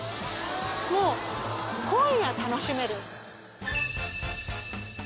もう今夜楽しめる。